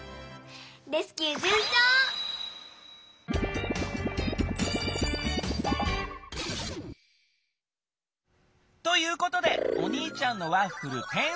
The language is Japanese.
レスキューじゅんちょう！ということでおにいちゃんのワッフルてんそう！